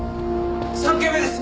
３件目です！